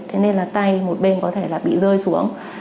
thế nên là tay một bên có thể là bị rơi xuống